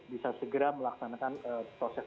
bisa segera melaksanakan proses